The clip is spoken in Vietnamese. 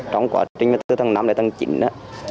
trong quá trình là từ tháng năm đến tháng chín á